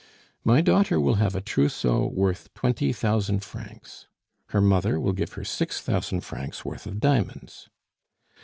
My daughter will have a trousseau worth twenty thousand francs; her mother will give her six thousand francs worth of diamonds.